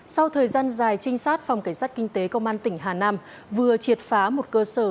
sau thời gian dài trinh sát phòng cảnh sát kinh tế công an tỉnh hà nam vừa triệt phá một cơ sở